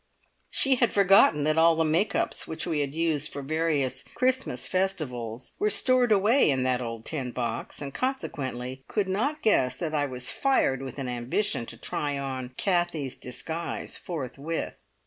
She had forgotten that all the "make ups" which we had used for various Christmas festivals were stored away in that old tin box, and consequently could not guess that I was fired with an ambition to try on Kathie's disguise forthwith.